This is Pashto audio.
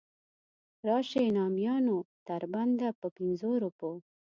راشئ نامیانو تر بنده په پنځو روپو.